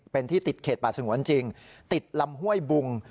เป็นที่ติดเขตป่าสงวนจริงติดลำห้วยบุง